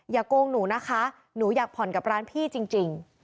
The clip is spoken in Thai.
โกงหนูนะคะหนูอยากผ่อนกับร้านพี่จริง